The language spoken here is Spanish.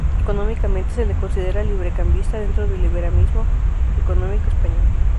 Económicamente se le considera librecambista dentro del liberalismo económico español.